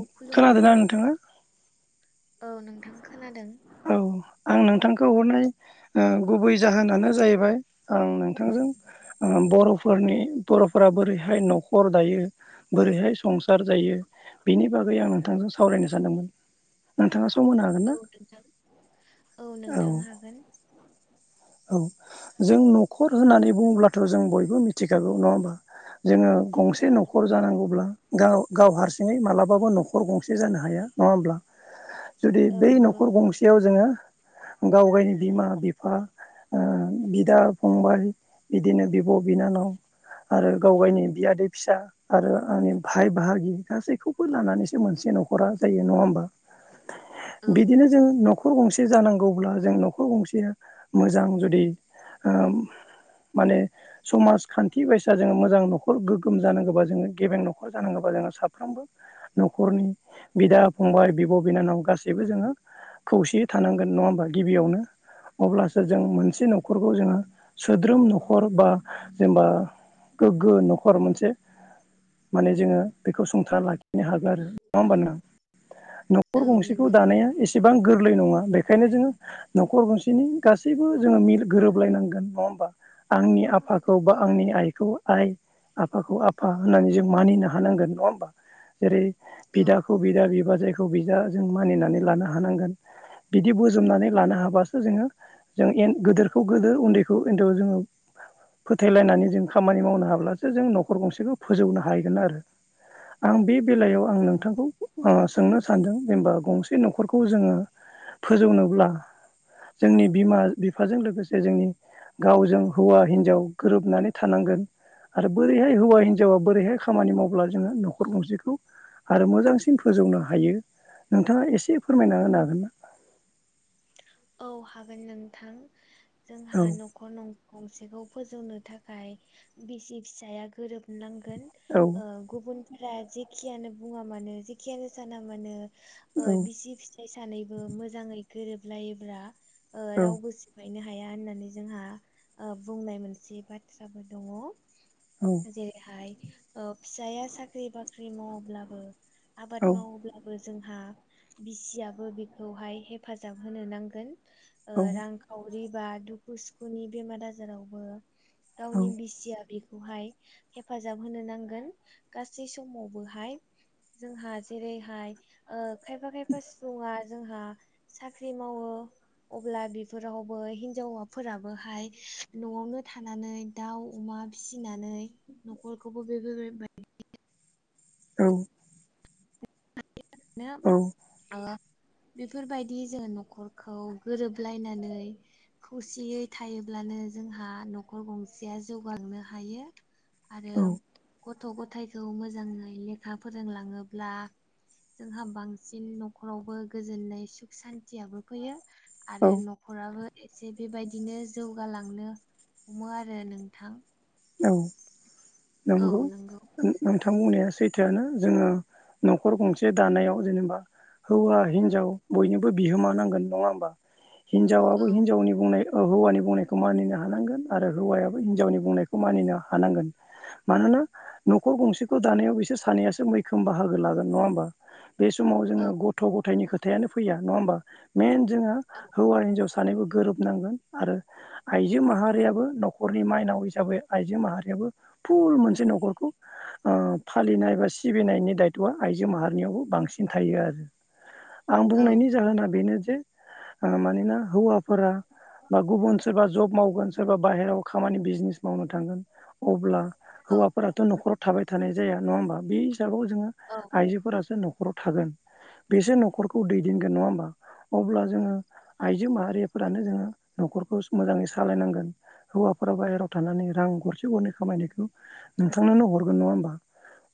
औ खुलुमबाय खोनादोंना नोंथाङा ओ नोंथां खोनादों। औ आं नोंथांखौ हनोय ओ गुबै जाहोनानो जाहैबाय आं नोंथांजों ओ बर'फोरनि बर'फोरा बोरैहाय न'खर दायो? बोरैहाय संसार जायो? बिनि बागै आं नोंथांजों सावरायनो सानदोंमोन। नोंथाङा सम होनो हागोन औ ना? नोंथां औ नोंथां हागोन। औ जों न'खर होननानै बुङोब्लाथ' जों बयबो मिथिखागौ नङा होमबा। जोङो गंसे औ न'खर नंगौ जानांगौब्ला गाव गाव हारसिं थिङौ मालाबाबो नखर गंसे जानो हाया। नङा होनब्ला जुदि औ बै नंगौ नखर गंसे याव जोङो गाव गायनि बिमा बिफा ओ बिदा फंबाय बिदिनो बिब' बिनानाव आरो गाव गायनि बियादै फिसा आरो आंनि भाय बाहागि गासैखौबो लानानैसो मोनसे न'खरा जायो नङा होमबा। औ बिदिनो जों न'खर गंसे जानांगौब्ला जों न'खर गंसेया मोजां जुदि ओ माने समाजखान्थि बायसा जोङो मोजां न'खर गो खोम जानांगबा जोङो गेबें नखर जानांगौबा जोङो साफ्रोमबो न'खरनि बिदा फंबाय बिब' बिनानाव गासैबो जोङो खौसेयै थानांगोन नङा होमबा गिबियावनो अब्लासो जों मोनसे न'खरखौ जोङो सोद्रोम न'खर बा जेनेबा गोग्गो न'खर मोनसे माने जोङो बेखौ सुंथाना लाखिनो हागोन आरो नङा होमबा नों न'खर औ गंसेखौ नंगौ दानाया एसेबां गोरलै नङा बेखायनो जोङो न'खर गंसेनि गासैबो जोङो मिल गोरोबलायनांगोन नङा होमबा आंनि आफाखौ बा औ आंनि आइखौबो आइ आफाखौ आफा होननानै जों मानिनो हानांगोन नङा होमबा जेरै' औ बिदाखौ बिदा बिबाजायखौ बिदा जों मानिनानै लानो हानांगोन बिदि बोजोबनानै लानो हाबासो जोङो जों एन गिदोरखौ गोदोर उन्दैखौ उन्दाव जोङो फोथायलायनानै जों खामानि मावनो हाब्लासो जों न'खर गंसेखौ फोजौनो हाहैगोन आरो। आं बे बेलायाव आं नोंथांखौ ओ सोंनो सानदों जेनेबा गंसे न'खरखौ जोङो फोजौनोब्ला जोंनि बिमा बिफाजों लोगोसे जोंनि गावजों हौवा हिनजाव गोरोबनानै थानांगोन आरो बोरैहाय हौवा हिनजावा बोरैहाय खामानि मावब्ला जोङो न'खर गंसेखौ आरो मोजांसिन फोजौनो हायो नोंथाङा एसे फोरमायना होनो हागोन ना? औ हागोन नोंथां औ जोंहा न खर नं गंसेखौ फोजौनो थाखाय बिसि फिसाया गोरोबनांगोन। औ ओ गुबुनफोरा जेखियानो बुङा मानो जेखियानो साना मानो ओ बिसि फिसाय सानैबो मोजाङै गोरोबलायोब्रा औ रावबो बायनो हाया होननानै जोंहा ओ बुंनाय मोनसे बाथ्राबो दङ। औ जेरैहाय फिसाया साख्रि बाख्रि मावाब्लाबो आबाद मावोब्लाबो जोंहा बिसियाबो बेखौहाय हेफाजाब होनो नांगोन औ रांखावरि बा दुखु सुखुनि बेमार आजारावबो गावनि बिसिया बेखौहाय हेफाजाब होनो नांगोन गासै समावबोहाय जोंहा जेंरैहाय खायफा खायफा सुबुंङा जोंहा साख्रि मावो अब्ला बेफोरावबो हिनजाव फोराबोहाय न'आवनो थानानै दाउ अमा फिसिनानै न'खरखौबो बेफोर औ [unintelligible] बेफोरबायदि जोंङो न'खरखौ गोरोबलायनानै खौसेयै थायोब्लानो जोंहा न'खर गंसेया जौगालांनो हायो आरो औ गथ' गथाइखौ मोजांङै लेखा फोरोंलांङोब्ला जोंहा बांसिन न'खरावबो गोजोननाय सुख सान्तयाबो फैयो आरो औ नख'राबो एसे बेबायदिनो जौगालांनो हमो आरो नोंथां औ नंगौ औ नोंथां बुंनाया सैथोआनो जोङो न'खर दानायाव जेनेबा हौवा हिनजाव बयनिबो बिहोमा नांगोन नंङा होमबा औ हिनजावाबो हिन्जावनि अ हौवानि बुंनायखौ मानिनो हानांगोन आरो हौवायाबो हिनजावनि बुंनायखौ मानिनो हानांगोन मानोना न'खर गंसेखौ दानायाव बिसोर सानैयासो मैखोम बाहागो लागोन नङा होमबा? बे समाव जोंङो औ गथ' गथायनि खोथायानो फैया नङा होमबा मेन जोङो औ हौवा हिनजाव सानैबो गोरोबनांगोन आरो आइजो माहारियाबो न'खरनि माइनाव हिसाबै माहारियाबो फुल मोनसे न'खरखौ ओ फालिनाय बा सिबिनायनि दायथ'आ आइजो माहारिनियावबो बांसिन थायो आरो आं बुंनायनि औ जाहोना बेनो जे मानोना हौवा फोरा बा गुबुन सोरबा जब मावगोन सोरबा बाहेरायाव खामानि बिजनेस मावनो थांगोन अब्ला औ हौवाफोराथ' न'खराव थाबाय थानाय जाया नङा होमबा बे हिसाबाव जोङो औ आइजोफोरासो न'खराव थागोन बेसो न'खरखौ दैदेनगोन नङा होमबा अब्ला जोंङो आइजो माहारिफोरानो जोंङो न'खरखौ मोजांङै सालायनांगोन हौवाफोर बाहेरायाव थानानै रां गरसे गरनै खामायाखौ नोंथांनोनो हरगोन नङा होमबा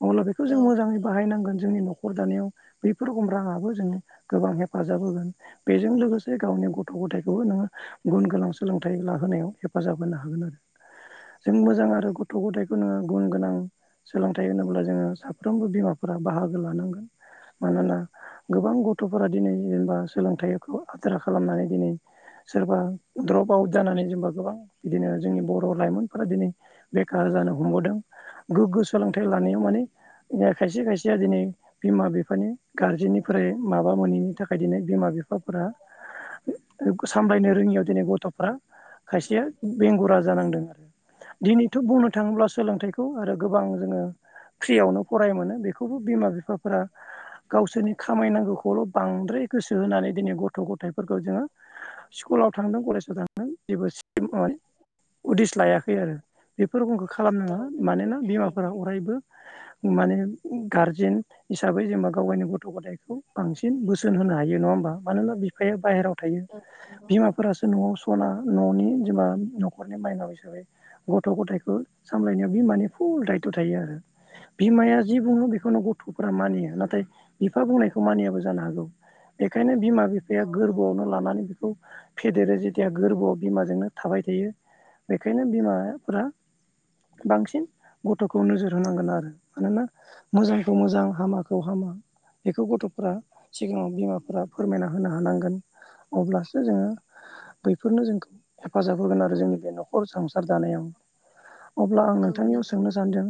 अब्ला बेखौ औ जों मोजाङै नंगौ बाहायनांगोन जोंनि न'खर दानायाव बैफोर खम राङाबो जोंनो गोबां हेफाजाब होगोन बेजों लोगोसे गावनि गथ' गथायखौबो नोंङो गुन गोनां सोलोंथाइ लाहोनायाव हेफाजाब होनो हागोन आरो जों मोजां आरो गथ' गथायाइखौ नोंङो गुन गोनां सोलोंथाइ होनोब्ला जोङो साफ्रोमबो बिमाफोरा बाहागो लानांगोन मानोना गोबां गथ'फोरा दिनै जेनेबा सोलोंथाइखौ आद्रा खालामनानै दिनै सोरबा द्रप आउट जानानै जेनबा गोबां बिदिनो जोंनि बर' लाइमोन फोर दिनै बेखार जानो हमबोदों गोग्गो सोलोंथाइ लानायाव माने दा खायसे खायसेया दिनै बिमा बिफानि गारजेननिफ्राय माबा मोनैनि थाखाय दिनै बिमा बिफाफोरा सामलायनो रोंङियाव दिनै गथ'फ्रा खायसेया बेंगुरा जानांदों। दिनैथ' बुंनो थांङोब्ला सोलोंथाइखौ आरो गोबां जोंङो ‌ फ्रियावनो फरायोमोन बेखौबो बिमा बिफाफोरा गावसोरनि खामायनांगौखौल' बांद्राय गोसो होनानै दिनै गथ' गथायफोरखौ जोङो ‌ स्कुलाव थांदों कलेजाव थांदों जेबो [unintelligible] उदिस लायाखै आरो बेफोर रखमखौ औ खालामनाङा नंगौ मानोना बिमाफोरा थारैनो अरायबो माने गारजेन हिसाबै जेनेबा गाव गायनि गथ' गथायखौ बांसिन बोसोन होनो हायो नङा होमबा? मानोना बिफाया बाहेरायाव थायो औ नंगौ बिमाफोरासो न'आव सना न'नि बिमा न'खरनि माइनाव हिसाबै गथ' गथायाइखौ सामलायनायाव बिमानि फुल दायथ' थायो आरो बिमाया जि बुङो बेखौनो ग गथ'फोरा मानियो नाथाय बिफा बुंनायखौ मानियाबो जानो हागौ बेखायनो बिमा बि फाया औ नंगौ गोरबोआवनो लानानै बिखौ फेदेरो जेथिया गोरबोआव बिमाजोंनो थाबाय थायो। बेखायनो बिमाफोरा बांसिन गथ'खौ नोजोर होनांगोन आरो मानोना मोजांखौ मोजां हामाखौ हामा बेखौ गथ'फोरा सिगाङाव बिमाफोरा फोरमायना होनो हानांगोन। अब्लासो जोङो बैफोरनो जोंखौ हेफाजाब होगोन आरो जोंनि बे न'खर सं सार दानायाव अब्ला आं औ नोंथांनियाव नंगौ सोंनो सानदों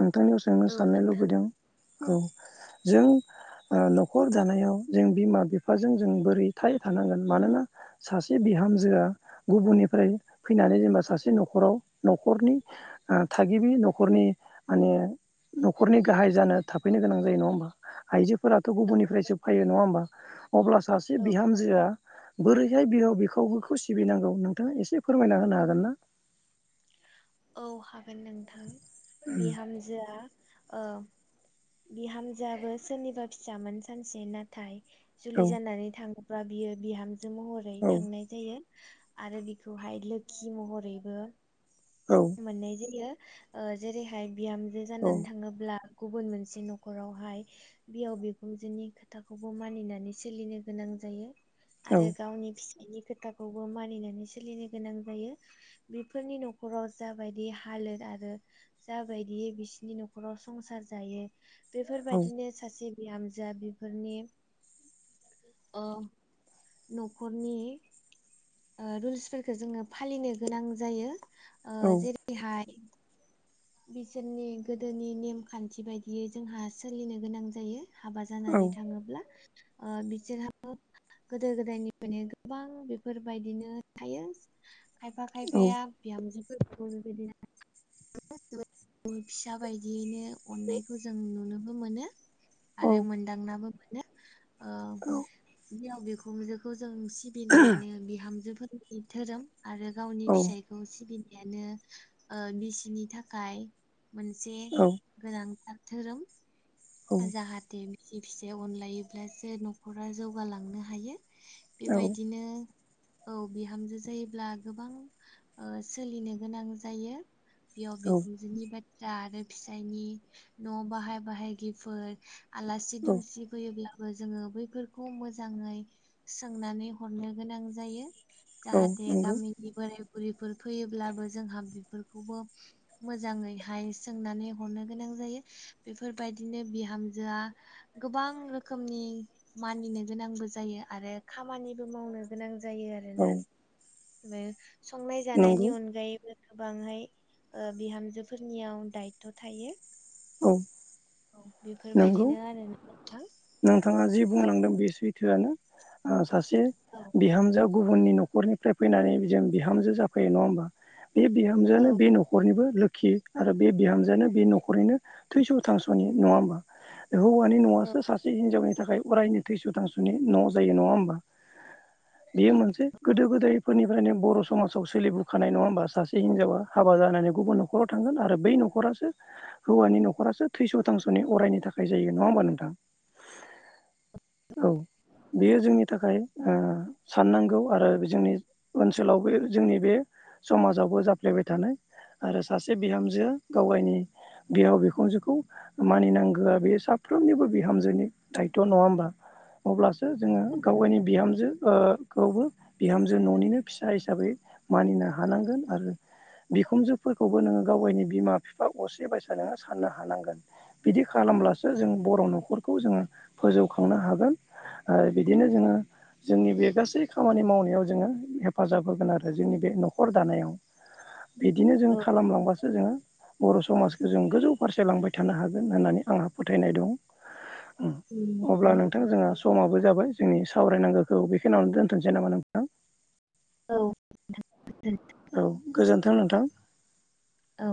नोंथांनियाव सोंनो औ साननो नोंथां लुबैदों औ जों ओ न'खर दानायाव जों बिमा बिफाजों जों बोरै थाय थानांगोन मानोना सासे बिहामजोआ गुबुननिफ्राय फैनानै जेनेबा सासे न'खराव न'खरनि थागिबि न'खरनि माने न'खरनि गाहाय जानो थाफैनो गोनां जायो नङा होमबा आइजोफोराथ' औ गुबुननिफ्रायसो फैयो नङा होमबा अब्ला सासे औ बिहामजोआ बोरैहाय बिहाव बिखावगोखौ सिबिनांगौ नोंथाङा एसे फोरमायना होनो हागोन ना? औ हागोन नोंथां बिहामजोआ ओ बिहामजोआबो सोरनिबा फिसामोन सानसे नाथाय औ जुलि जानानै थाङोबा बियो बिहामजो महरै औ थांनाय जायो आरो बिखौहाय लोखि महरैबो औ मोननाय जायो जेरैहाय बिहामजो औ जानानै थाङोब्ला गुबुन मोनसे न'खरावहाय बिहाव बिखुनजोनि खोथाखौबो मानिनानै सोलिनो गोनां जायो। औ आरो गावनि फिसायनि खोथाखौबो मानिनानै सोलिनो गोनां जायो बेफोरनि न'खराव जाबायदि हालोद आरो जाबायदि बिसिनि न'खराव संसार जायो औ बेफोरबायदिनो सासे बिहामजो बिफोरनि ओ न'खरनि रुल्सफोरखौ जोङो फालिनो गोनां जायो जेरैहाय बिसोरनि गोदोनि नेमखान्थि बायदियै जोंहा सोलिनो गोनां जायो। हाबा जानानै औ थाङोब्ला। बिसोरहाबो गोदो गोदायनिफ्रायनो गोबां बेफोरबायदिनो थायो खायफा खायफाया बिहामजोफोरखौ बेबायदिनो [unintelligible] फिसा बायदियैनो अननायखौ जों नुनोबो मोनो। आरो मोनदांनाबो मोनो। औ बिहाव बिखुनजोखौ जों सिबिनायानो बिहामजोफोरनि धोरोम आरो गावनि औ फिसायखौ सिबिनायानो ओ बिसिनि था खाय मोनसे औ गोनांथार धोरोम। जाहाथे बिसि फिसाइ अनलायोब्लासो न'खरा जौगालांनो हायो। औ बेबायदिनो औ बिहामजो जायोब्ला गोबां ओ सोलिनो गोनां जायो बिहाव औ बिखुनजोनि बाथ्रा आरो फिसायनि न' बाहाय बाहायगिफोर आलासि औ दुमसि फैयोब्लाबो जोङो बैफोरखौ मोजाङै सोंनानै हरनो गोनां जायो औ जाहाथे नंगौ गामि बोराय बुरिफोर फैयोब्लाबो जोंहा बिफोरखौबो मोजाङैहाय सोंनानै हरनो गोनां जायो बेफोरबायदिनो बिहामजोआ गोबां रोखोमनि मानिनो गोनांबो जायो आरो खामानिबो मावनो गोनां जायो आरो आरोना औ बो संनाय जानायनि नंगौ अनगायैबो गोबांयै ओ बिहामजोफोरनियाव दायद्थ' थायो औ औ बेफोर नोंगौ नोंथाङा जि औ बुंलांदों बे सैथोआनो ओ सासे औ बिहामजोआ गुबुननि न'खरनिफ्राय फैनानै जों बिहामजो जाफैयो नङा होमबा बे औ बिहामजोआनो बे न'खरनिबो लोखि आरो बे बिहामजोआानो बे न'खरनिनो थैस' थांस'नि नङा होमबा हौवानि न'आसो सासे हिनजावनि थाखाय अरायनि थैस' थांस'नि न' जायो नङा होमबा बियो मोनसे गोदो गोदायफोरनिफ्रायनो बर' स समाजाव सोलिबोखानाय नङा होमबा सासे हिनजावा हाबा जानानै गुबुन न'खराव थांगोन आरो बै न'खरासो हौवानि न'खरासो थयस' थांस'नि अरायनि थाखाय जायो नङा होमबा नोंथां औ बियो जोंनि थाखाय ओ साननांगौ आरो जोंनि ओनसोलावबो जोंनि बे समाजावबो जाफ्लेबाय थानाय आरो सासे बिहामजो गावगायनि बिहाव बिखुनजोखौ मानिनांगोआ बियो साफ्रोमनिबो बिहामजोनि दायथ' नङा होमबा अब्लासो जोङो गावगायनि बिहामजो ओ खौबो बिहामजो न'निनो फिसा हिसाबै मानिनो हानांगोन आरो बिखुनजोफोरखौबो नोङो गावगायनि बिमा बिफा असे बायसा नोङो साननो हानांगोन बिदि खालामब्लासो जों बर' न'खरखौ जोङो फोजौखांनो हागोन ओ बिदिनो जोङो जोंनि बे गासै खामानि मावनायाव जोङो हेफाजाब होगोन आरो जोंनि बे न'खर दानायाव बिदिनो जों औ खालामलांबासो जोङो बर' समाजखौ जों गोजौ फारसे लांबाय थानो हागोन होननानै आंहा फोथायनाय दं उम अब्ला औ नोंथां जोंहा समाबो जाबाय जोंनि सावरायनांगोखौ बेखिनियावनो दोनथ'नोसै नामा नोंथां औ [unintelligible] औ गोजोन्थों नोंथां औ।